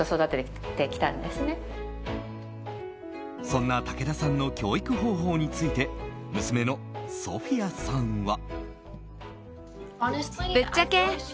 そんな武田さんの教育方法について娘のソフィアさんは。